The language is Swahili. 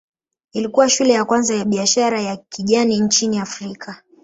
Ilikuwa shule ya kwanza ya biashara ya kijani nchini Afrika.